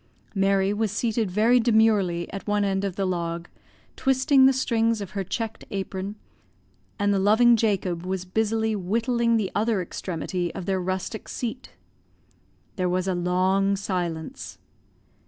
Mary was seated very demurely at one end of the log, twisting the strings of her checked apron, and the loving Jacob was busily whittling the other extremity of their rustic seat. There was a long silence.